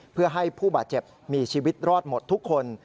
เพื่อให้ผู้บาดเจ็บมีชีวิตรอดหมดทุกคน